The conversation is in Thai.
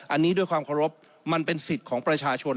อันนี้ด้วยความเคารพมันเป็นสิทธิ์ของประชาชน